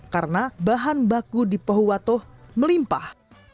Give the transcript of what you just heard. karena bahan baku di pohuwato melimpah